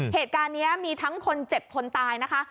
เหตุการณ์นี้มีทั้งคนเจ็บคนตายนะคะ